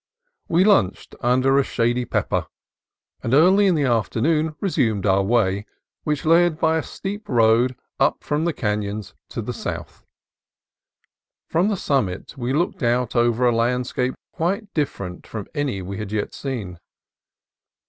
We lunched under a shady pepper, and early in the after noon resumed our way, which led by a steep road up from the canon to the south. From the summit we looked out over a landscape quite different from any we had yet seen.